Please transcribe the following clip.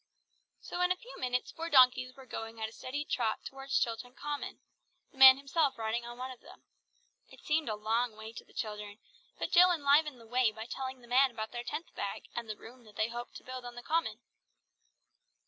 So in a few minutes, four donkeys were going at a steady trot towards Chilton Common; the man himself riding on one of them. It seemed a long way to the children, but Jill enlivened the way by telling the man about their tenth bag, and the room that they hoped to build on the Common.